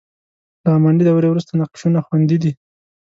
له اماني دورې وروسته نقشونه خوندي دي.